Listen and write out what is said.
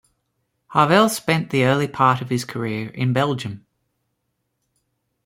Hervelle spent the early part of his career in Belgium.